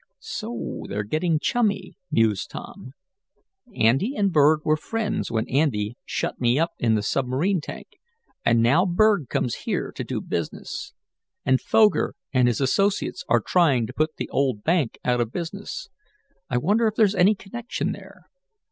"So they're getting chummy," mused Tom. "Andy and Berg were friends when Andy shut me up in the submarine tank, and now Berg comes here to do business, and Foger and his associates are trying to put the old bank out of business. I wonder if there's any connection there?